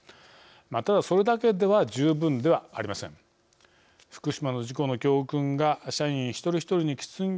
ただ、それだけでは十分ではありません。